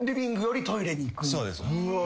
そうです。